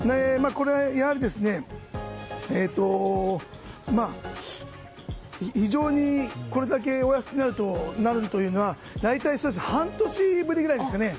やはり非常にこれだけお安くなるというのは大体、半年ぶりくらいですかね。